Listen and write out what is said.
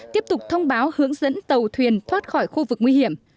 tiếp tục thông báo hướng dẫn tàu thuyền thoát khỏi khu vực nguy hiểm